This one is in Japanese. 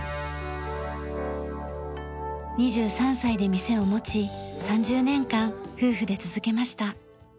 ２３歳で店を持ち３０年間夫婦で続けました。